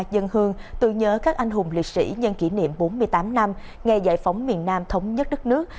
dân hương tưởng nhớ các anh hùng liệt sĩ nhân kỷ niệm bốn mươi tám năm ngày giải phóng miền nam thống nhất đất nước